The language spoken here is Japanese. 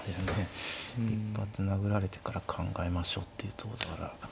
一発殴られてから考えましょうっていうとこだから。